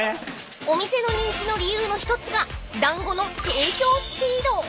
［お店の人気の理由の一つが団子の提供スピード］